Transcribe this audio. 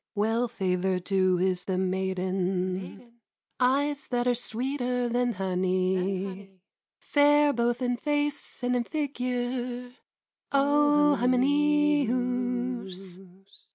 Well favored, too, is the maiden, Eyes that are sweeter than honey, Fair both in face and in figure, O Hymenæus!